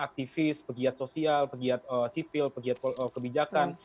aktivis pegiat sosial pegiat sipil pegiat kebijakan